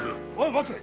待て。